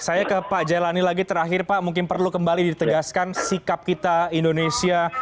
saya ke pak jailani lagi terakhir pak mungkin perlu kembali ditegaskan sikap kita indonesia